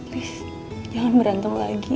please jangan berantem lagi